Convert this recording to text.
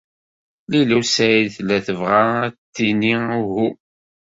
Lila u Saɛid tella tebɣa ad d-tini uhu.